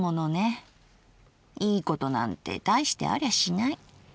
いいことなんて大してありゃしない。